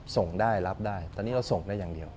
ส่งได้รับได้ตอนนี้เราส่งได้อย่างเดียว